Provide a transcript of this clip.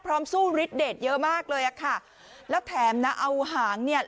สู้ฤทธเดทเยอะมากเลยอ่ะค่ะแล้วแถมนะเอาหางเนี่ย